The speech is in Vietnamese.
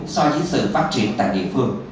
so với sự phát triển tại địa phương